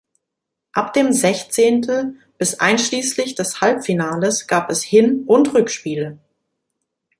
Ab dem Sechzehntel- bis einschließlich des Halbfinales gab es Hin- und Rückspiele.